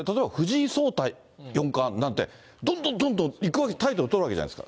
例えば藤井聡太四冠なんて、どんどんどんどんタイトルをとるわけじゃないですか。